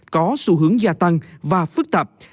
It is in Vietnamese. có xu hướng gia tăng và phức tạp